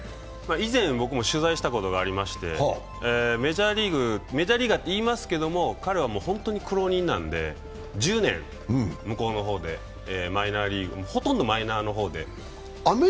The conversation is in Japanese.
以前、僕も取材したことがありましてメジャーリーガーっていいますけれども彼は本当に苦労人なんで、１０年向こうの方でほとんどマイナーリーグで。